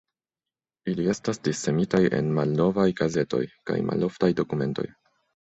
Ili estas dissemitaj en malnovaj gazetoj kaj maloftaj dokumentoj.